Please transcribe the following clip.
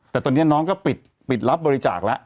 แต่ตอนนี้น้องก็ปิดรับบริจาคแล้ว